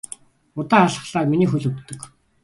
Удаан алхахлаар миний хөл өвддөг.